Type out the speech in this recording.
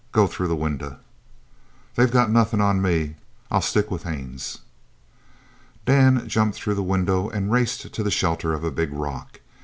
Go through the window." "They've got nothing on me. I'll stick with Haines." Dan jumped through the window, and raced to the shelter of a big rock.